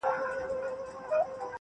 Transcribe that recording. یا بس گټه به راوړې په شان د وروره,